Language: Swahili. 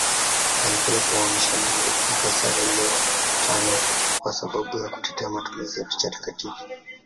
Alipelekwa uhamishoni na kaisari Leo V kwa sababu ya kutetea matumizi ya picha takatifu.